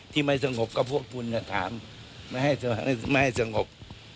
ที่ไม่สงบก็พวกคุณจะถามไม่ให้สงบ